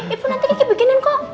ibu nanti kiki beginin kok